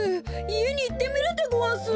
いえにいってみるでごわす。